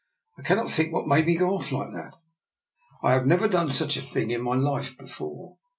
" I cannot think what made me go off like that. I have never done such a thing in my life before."